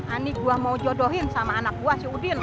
ani gue mau jodohin sama anak buah si udin